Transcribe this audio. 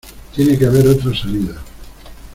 Tiene que haber otra salida.